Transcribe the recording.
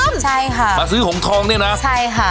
มาซื้อหงทองเนี่ยนะใช่ค่ะ